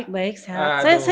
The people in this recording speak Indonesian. baik baik sehat